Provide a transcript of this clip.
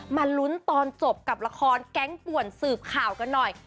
มาลุ้นตอนจบกับละครแก๊งป่วนสืบข่าวกันหน่อย